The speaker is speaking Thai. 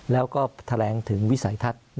แล้วก็แถลงถึงวิสัยทัศน์